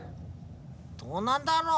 どうなんだろう？